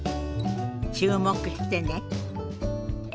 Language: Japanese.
注目してね。